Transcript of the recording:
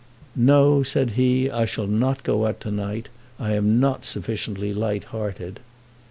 "No," said he, "I shall not go out to night. I am not sufficiently light hearted."